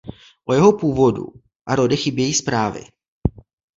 O jeho původu a rody chybějí zprávy.